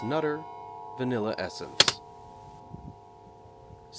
'Nutter,' vanilla essence. =72.